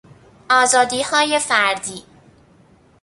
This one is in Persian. آزادیهای فردی